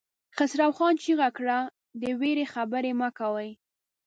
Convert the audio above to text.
خسرو خان چيغه کړه! د وېرې خبرې مه کوئ!